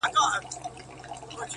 • امیر نه سوای اورېدلای تش عرضونه,